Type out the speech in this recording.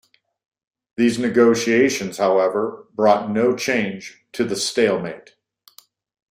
These negotiations, however, brought no change to the stalemate.